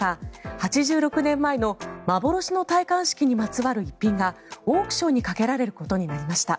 ８６年前の幻の戴冠式にまつわる逸品がオークションにかけられることになりました。